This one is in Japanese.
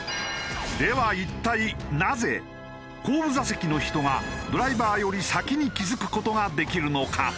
では一体なぜ後部座席の人がドライバーより先に気付く事ができるのか？